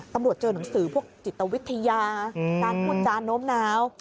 ตำรวจเจอหนังสือพวกจิตวิทยาการพูดจานโน้มน้าว